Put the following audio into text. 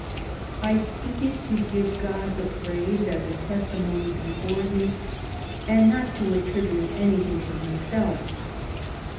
I speak it to give God the praise as a testimony before you, and not to attribute anything to myself.